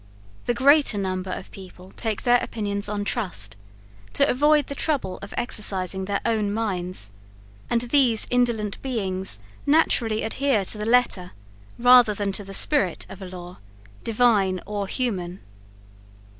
The greater number of people take their opinions on trust, to avoid the trouble of exercising their own minds, and these indolent beings naturally adhere to the letter, rather than the spirit of a law, divine or human.